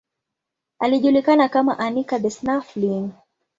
Alijulikana kama Anica the Snuffling.